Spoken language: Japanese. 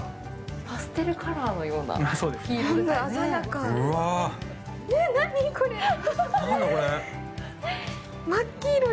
パステルカラーのような黄色。